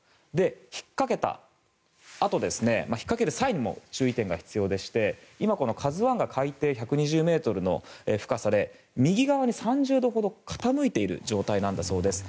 引っかけたあと引っかける際にも注意点がありまして今「ＫＡＺＵ１」が海底１２０ｍの深さで右側に３０度ほど傾いている状態なんだそうです。